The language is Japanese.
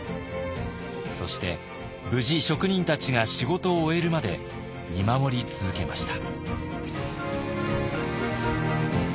そして無事職人たちが仕事を終えるまで見守り続けました。